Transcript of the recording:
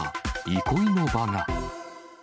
憩いの場が。